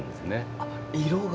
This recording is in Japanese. あっ色が。